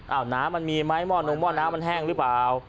เอาน้ำมันมีไหมหม้อนงหม้อน้ำมันแห้งหรือเปล่า